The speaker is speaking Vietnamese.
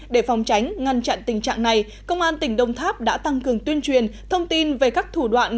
để phòng tránh ngăn chặn tình trạng này công an tỉnh đồng tháp đã tăng cường tuyên truyền thông tin về các thủ đoạn